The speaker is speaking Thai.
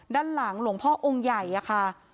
ด้านหลังหลวงพ่อองค์ใหญ่อะค่ะ